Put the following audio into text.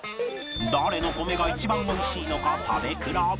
誰の米が一番おいしいのか食べ比べ